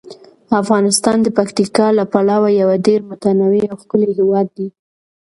افغانستان د پکتیکا له پلوه یو ډیر متنوع او ښکلی هیواد دی.